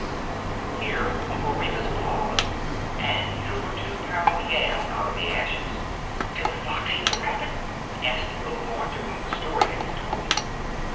Here Uncle Remus paused, and drew a two pound yam out of the ashes. "Did the fox eat the rabbit?" asked the little boy to whom the story had been told.